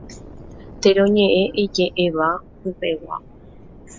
Teroñe'ẽje'éva pypegua.